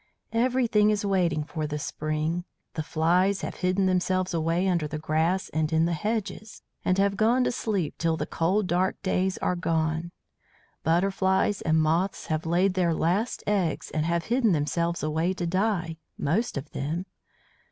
"Everything is waiting for the spring. The flies have hidden themselves away under the grass and in the hedges, and have gone to sleep till the cold dark days are done. Butterflies and moths have laid their last eggs and have hidden themselves away, to die, most of them.